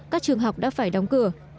các trường học đã phải đóng cửa